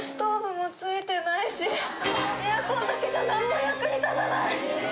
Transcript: ・エアコンだけじゃなんも役に立たない！